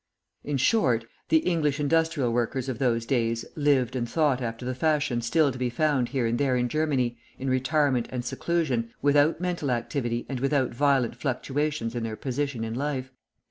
In short, the English industrial workers of those days lived and thought after the fashion still to be found here and there in Germany, in retirement and seclusion, without mental activity and without violent fluctuations in their position in life.